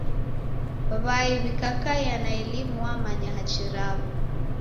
W'ai w'ikakaia na elimu wamanya hachi raw'o.